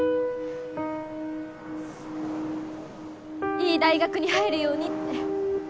いい大学に入るようにって